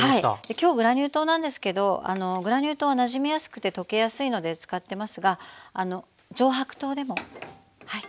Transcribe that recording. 今日グラニュー糖なんですけどグラニュー糖はなじみやすくて溶けやすいので使ってますが上白糖でもはい大丈夫です。